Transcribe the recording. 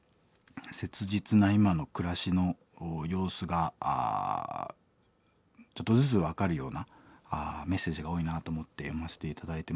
切実な今の暮らしの様子がちょっとずつ分かるようなメッセージが多いなあと思って読ませて頂いてます。